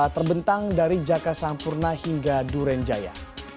terbentang dari jaka sampurna hingga durenjaya